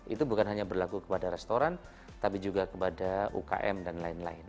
itu bukan hanya berlaku kepada restoran tapi juga kepada ukm dan lain lain